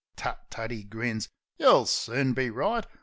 "Tut, tut," 'e grins. "You'll soon be right.